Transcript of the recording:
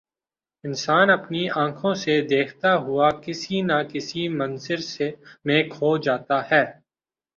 انسان اپنی آنکھوں سے دیکھتا ہوا کسی نہ کسی منظر میں کھو جاتا ہے